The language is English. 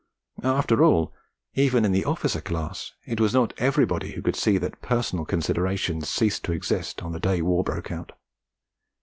After all, even in the officer class, it was not everybody who could see that personal considerations ceased to exist on the day war broke out.